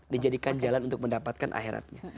dijadikan jalan untuk mendapatkan akhiratnya